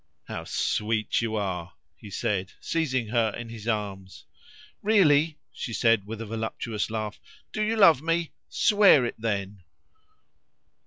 "How sweet you are!" he said, seizing her in his arms. "Really!" she said with a voluptuous laugh. "Do you love me? Swear it then!"